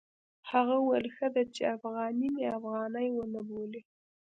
هغه وویل ښه دی چې افغاني مې افغاني ونه بولي.